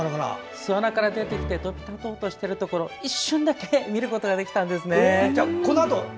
巣穴から出てきて飛び立とうとしているところを一瞬だけ見ることができたんですね。